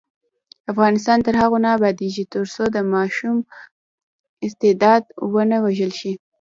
افغانستان تر هغو نه ابادیږي، ترڅو د ماشوم استعداد ونه وژل شي.